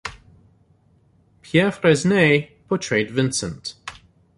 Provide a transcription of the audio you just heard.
Pierre Fresnay portrayed Vincent.